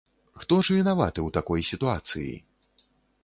Хто ж вінаваты ў такой сітуацыі?